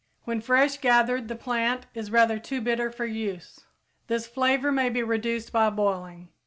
When fresh gathered the plant is rather too bitter for use. This flavor may be reduced by boiling.